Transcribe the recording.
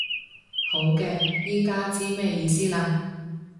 好嘅，依家知咩意思啦